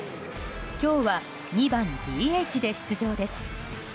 今日は２番ＤＨで出場です。